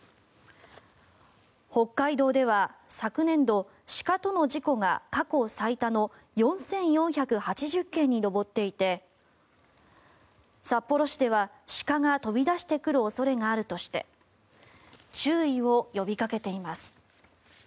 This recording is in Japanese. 北海道では、昨年度鹿との事故が過去最多の４４８０件に上っていて札幌市では鹿が飛び出してくる恐れがあるとして注意を呼びかけています。